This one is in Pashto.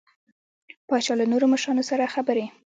پاچا له نورو مشرانو سره خبرې